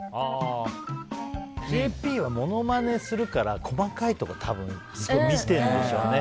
ＪＰはモノマネするから細かいところを見てるんでしょうね。